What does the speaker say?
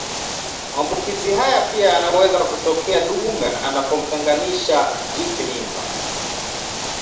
Maambukizi haya pia yanaweza kutokea dume anapomtungisha jike mimba